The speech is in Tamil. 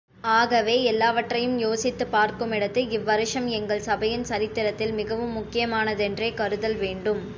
ஆகவே எல்லாவற்றையும் யோசித்துப் பார்க்குமிடத்து, இவ்வருஷம், எங்கள் சபையின் சரித்திரத்தில் மிகவும் முக்கியமானதென்றே கருதல் வேண்டும்.